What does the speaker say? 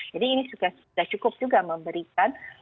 ini sudah cukup juga memberikan